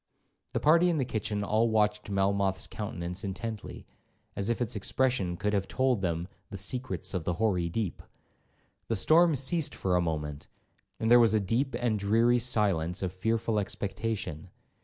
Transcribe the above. The party in the kitchen all watched Melmoth's countenance intently, as if its expression could have told them 'the secrets of the hoary deep.' The storm ceased for a moment, and there was a deep and dreary silence of fearful expectation.